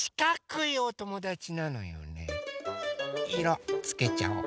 いろつけちゃおう。